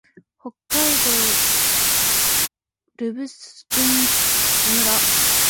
北海道留寿都村